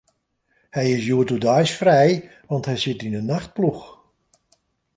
Hy is hjoed oerdeis frij, want hy sit yn 'e nachtploech.